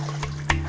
serta dengan superman